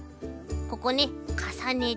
ここねかさねて。